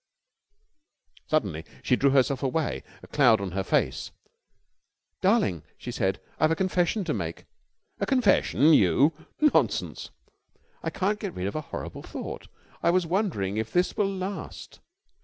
Suddenly she drew herself away, a cloud on her face. "Darling," she said, "I've a confession to make." "A confession? You? Nonsense!" "I can't get rid of a horrible thought. I was wondering if this will last."